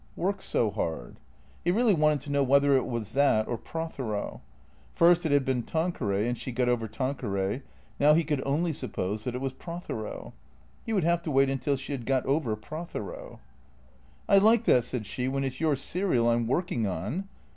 " Work so hard." He really wanted to know whether it was that or Prothero. First it had been Tanqueray, and she had got over Tanqueray. ISTow he could only suppose that it was Prothero. He would have to wait until she had got over Prothero. " I like that," said she, " when it 's your serial I 'm working on."